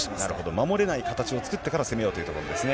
守れない形を作ってから攻めようというところですね。